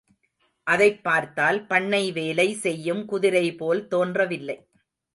அதைப் பார்த்தால் பண்ணை வேலை செய்யும் குதிரைபோல் தோன்றவில்லை.